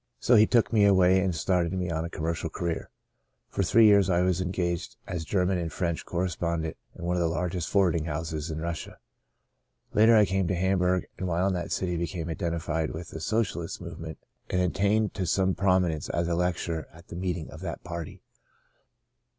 So he took me away and started me on a commercial career. For three years I was engaged as German and French correspondent in one of the largest forwarding houses in Russia. Later I came to Hamburg, and while in that city became identified with the Socialist movement and attained to some prominence as a lecturer at the meetings of that party.